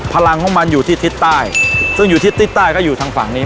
พลังของมันอยู่ที่ทิศใต้ซึ่งอยู่ทิศทิศใต้ก็อยู่ทางฝั่งนี้